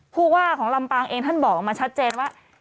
ผู้ว่าของลำปางเองท่านบอกออกมาชัดเจนว่า